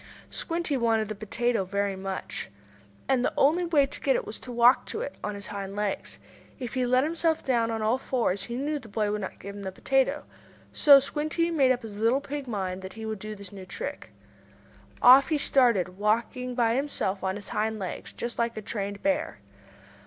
Squinty wanted that potato very much. And the only way to get it was to walk to it on his hind legs. If he let himself down on all four legs he knew the boy would not give him the potato. So Squinty made up his little pig mind that he would do this new trick. Off he started, walking by himself on his hind legs, just like a trained bear.